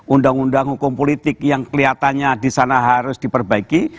undang undang hukum politik yang kelihatannya di sana harus diperbaiki